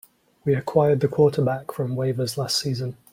We acquired the quarterback from waivers last season.